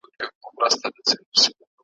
بل د میني اور به دي تر کُمه وي